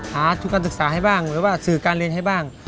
ทุนการศึกษาให้บ้างหรือว่าสื่อการเรียนให้บ้าง